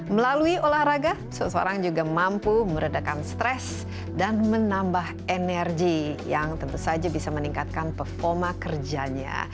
melalui olahraga seseorang juga mampu meredakan stres dan menambah energi yang tentu saja bisa meningkatkan performa kerjanya